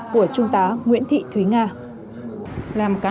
của trung tá nguyễn thị thúy nga